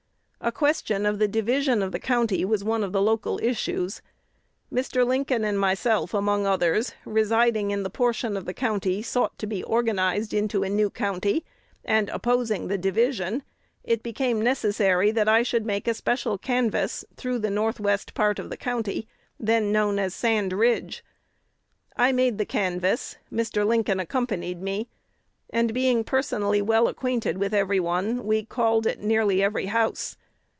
A question of the division of the county was one of the local issues. Mr. Lincoln and myself, among others, residing in the portion of the county sought to be organized into a new county, and opposing the division, it became necessary that I should make a special canvass through the north west part of the county, then known as Sand Ridge. I made the canvass; Mr. Lincoln accompanied me; and, being personally well acquainted with every one, we called at nearly every house.